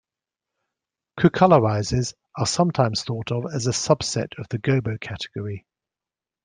Cucolorises are sometimes thought of as a subset of the gobo category.